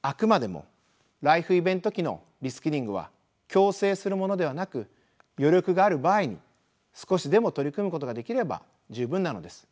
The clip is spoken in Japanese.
あくまでもライフイベント期のリスキリングは強制するものではなく余力がある場合に少しでも取り組むことができれば十分なのです。